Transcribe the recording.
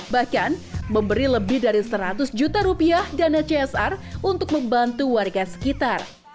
bahkan memberi lebih dari seratus juta rupiah dana csr untuk membantu warga sekitar